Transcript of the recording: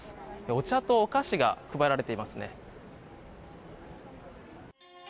お茶とお菓子が配られていますね。